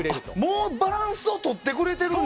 もうバランスをとってくれてるんだ。